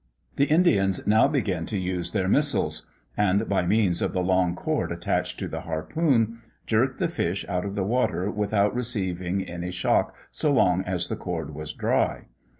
The Indians now began to use their missiles; and by means of the long cord attached to the harpoon, jerked the fish out of the water without receiving any shock so long as the cord was dry.